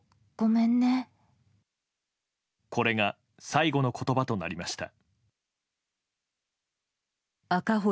これが最期の言葉となりました。